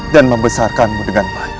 dan membesarkanmu dengan baik